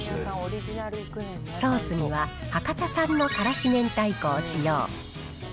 ソースには、博多産の辛子明太子を使用。